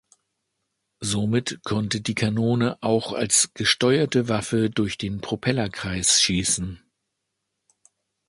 Somit konnte die Kanone auch als gesteuerte Waffe durch den Propellerkreis schießen.